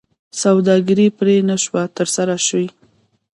سوداګري پرې نه شوه ترسره شي.